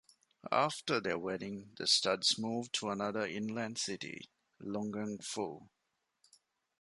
After their wedding the Studds moved to another inland city - Lungang-Fu.